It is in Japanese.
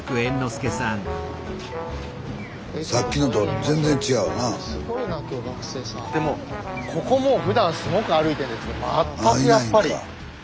スタジオでもここもふだんすごく歩いてるんですけど全くやっぱり。